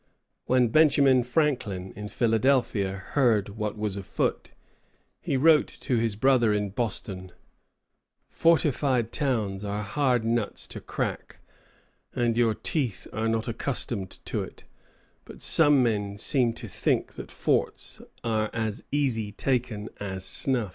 When Benjamin Franklin, in Philadelphia, heard what was afoot, he wrote to his brother in Boston, "Fortified towns are hard nuts to crack, and your teeth are not accustomed to it; but some seem to think that forts are as easy taken as snuff."